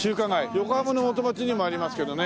横浜の元町にもありますけどね。